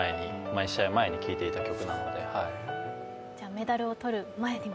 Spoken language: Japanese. メダルをとる前にも？